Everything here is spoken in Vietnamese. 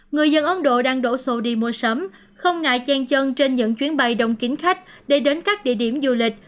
người dân ấn độ đang đổ xô đi mua sắm không ngại chen chân trên những chuyến bay đông kính khách để đến các địa điểm du lịch